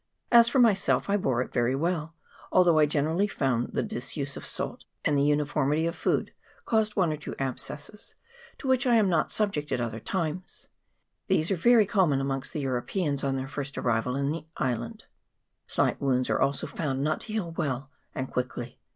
As for myself, I bore it very well, although I generally found that the disuse of salt and the uniformity of food caused one or two abscesses, to which I am not subject at other times. These are very common amongst the Europeans on their first arrival in the island : slight wounds are also found not to heal well and quickly.